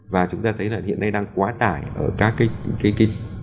và chúng ta thấy là hiện nay đang quá tải ở các cái